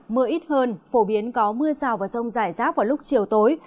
mưa ít hơn phổ biến có mưa rào và rông rải rác vào lúc chiều tối